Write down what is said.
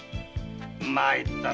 まいったな。